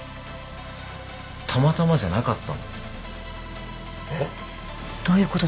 たまたまじゃなかったんです。えっ？どういうことですか？